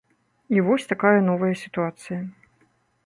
І вось такая новая сітуацыя.